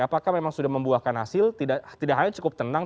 apakah memang sudah membuahkan hasil tidak hanya cukup tenang